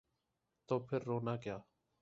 تو پھر رونا کیا؟